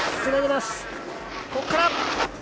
ここから！